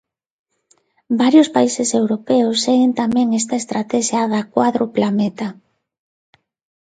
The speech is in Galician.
Varios países europeos seguen tamén esta estratexia da cuádrupla meta.